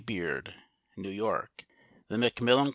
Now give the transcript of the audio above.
Beard. New York. The Macmillan Co.